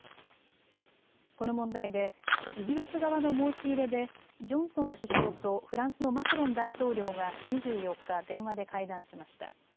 この問題でイギリス側の申し入れでジョンソン首相とフランスのマクロン大統領が２４日、電話で会談しました。